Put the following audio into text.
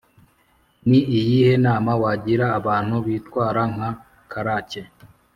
ni iyihe nama wagira abantu bitwara nka karake,